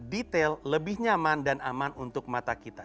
detail lebih nyaman dan aman untuk mata kita